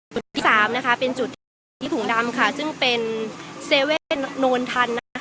จุดที่สามนะคะเป็นจุดที่ถุงดำค่ะซึ่งเป็น๗๑๑โนนทันนะคะ